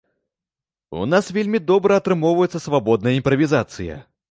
У нас вельмі добра атрымоўваецца свабодная імправізацыя.